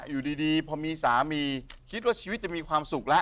อยู่ดีพอมีสามีคิดว่าชีวิตจะมีความสุขแล้ว